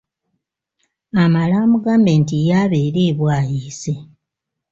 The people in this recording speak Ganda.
Amale amugambe nti ye abeere e Bwaise.